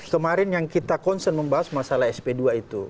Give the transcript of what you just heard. kemarin yang kita concern membahas masalah sp dua itu